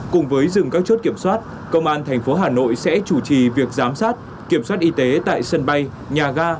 cùng với dừng các chốt kiểm soát công an tp hà nội sẽ chủ trì việc giám sát kiểm soát y tế tại sân bay nhà ga